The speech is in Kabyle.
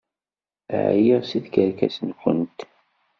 Ɛyiɣ seg tkerkas-nwent!